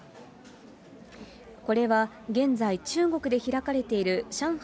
これは現在、中国で開かれている上海